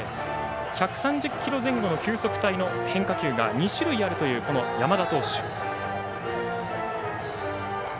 １３０キロ前後の球速帯の変化球が２種類あるというこの山田投手。